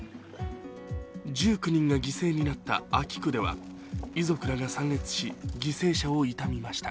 １９人が犠牲になった安芸区では遺族らが参列し、犠牲者を悼みました。